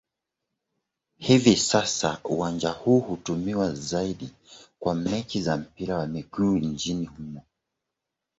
Hivi sasa uwanja huu hutumiwa zaidi kwa mechi za mpira wa miguu nchini humo.